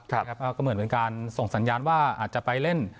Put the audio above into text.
ก็เหมือนเป็นการส่งสัญญาณว่าอาจจะไปเล่น